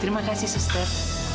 terima kasih sester